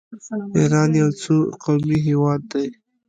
ایران یو څو قومي هیواد دی.